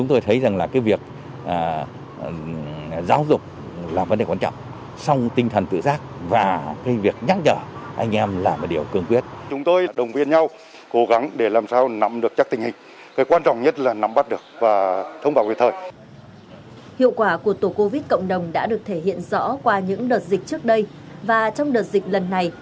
tổ covid cộng đồng đã được thể hiện rõ qua những đợt dịch trước đây và trong đợt dịch lần này